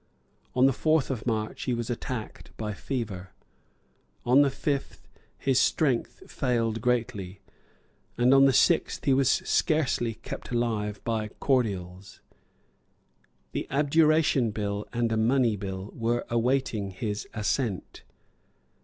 On the fourth of March he was attacked by fever; on the fifth his strength failed greatly; and on the sixth he was scarcely kept alive by cordials. The Abjuration Bill and a money bill were awaiting his assent.